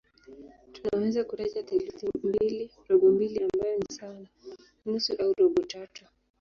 Tunaweza kutaja theluthi mbili, robo mbili ambayo ni sawa na nusu au robo tatu.